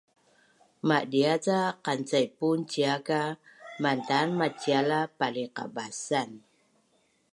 Madia’ ca qancaipun cia ka mantan macial a paliqabasan